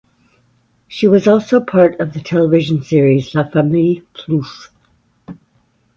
She was also part of the television series La Famille Plouffe.